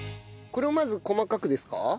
これをまず細かくですか？